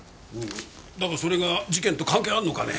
だがそれが事件と関係あるのかね？